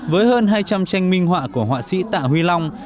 với hơn hai trăm linh tranh minh họa của họa sĩ tạ huy long